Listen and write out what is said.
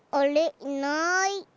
いない。